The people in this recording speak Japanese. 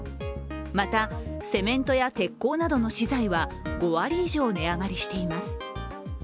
またセメントや鉄工などの資材は５割以上値上がりしています。